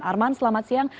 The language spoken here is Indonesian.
arman selamat siang